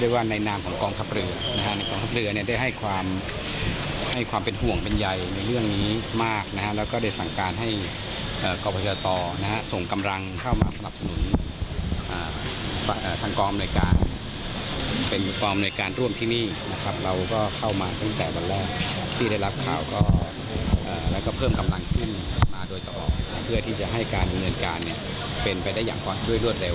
โดยต่อออกเพื่อที่จะให้การปฏิบัติการเป็นไปได้อย่างรวดเร็ว